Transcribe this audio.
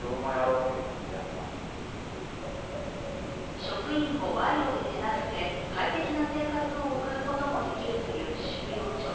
職員を賄賂で手なづけ快適な生活を送ることもできるという収容所。